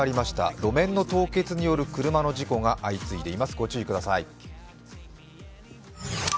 路面の凍結による車の事故が相次いでいます、ご注意ください。